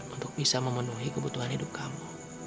untuk bisa memenuhi kebutuhan hidup kamu